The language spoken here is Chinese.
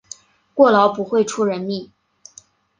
过劳不会出人命